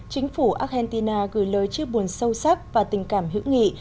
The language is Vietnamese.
chính phủ argentina gửi lời chia buồn sâu sắc và tình cảm hữu nghị